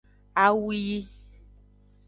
Awu yi.